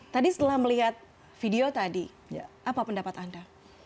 tadi setelah melihat video tadi apa pendapat anda